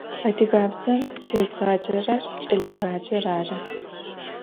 Adıgabzem têzğacerer ç'eleêğacer arı.